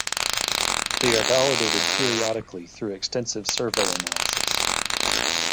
They are validated periodically through extensive survey analysis.